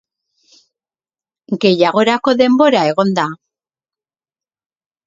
Gehiagorako denbora egon da.